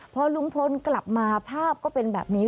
พอลุงพลกลับมาภาพก็เป็นแบบนี้